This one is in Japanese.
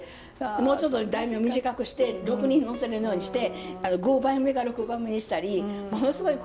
もうちょっと題名を短くして６人載せれるようにして５番目か６番目にしたりものすごい攻防があったんです。